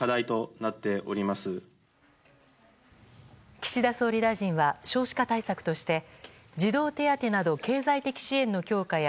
岸田総理大臣は少子化対策として児童手当など経済的支援の強化や